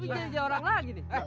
jadi orang lagi nih